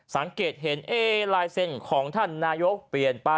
สังเกตเห็นลายเซ็นต์ของท่านนายกเปลี่ยนไป